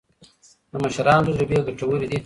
د مشرانو تجربې ګټورې دي.